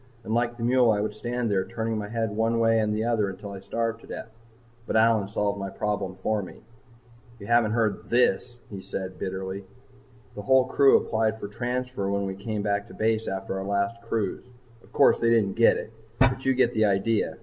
And like the mule I would stand there turning my head one way and the other until I starved to death. But Allyn solved my problem for me. "You haven't heard this," he said bitterly. "The whole crew applied for transfer when we came back to base after our last cruise. Of course, they didn't get it, but you get the idea.